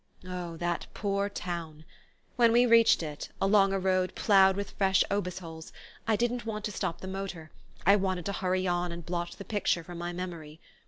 Oh, that poor town when we reached it, along a road ploughed with fresh obus holes, I didn't want to stop the motor; I wanted to hurry on and blot the picture from my memory!